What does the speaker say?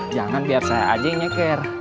jangan biar saya aja yang nyeker